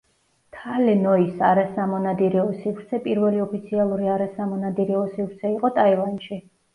თალე ნოის არასამონადირეო სივრცე პირველი ოფიციალური არასამონადირეო სივრცე იყო ტაილანდში.